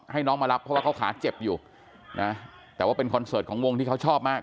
ให้น้องมารับเพราะว่าเขาขาเจ็บอยู่นะแต่ว่าเป็นคอนเสิร์ตของวงที่เขาชอบมาก